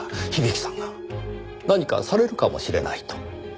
響さんが何かされるかもしれないと。